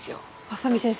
浅見先生